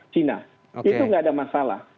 cina itu enggak ada masalah